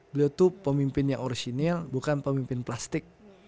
beliau itu pemimpin yang orisinil bukan pemimpin plastik